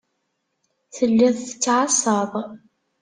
Telliḍ tettɛassaḍ.